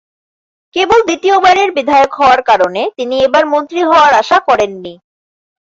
কেবল দ্বিতীয়বারের বিধায়ক হওয়ার কারণে তিনি এবার মন্ত্রী হওয়ার আশা করেননি।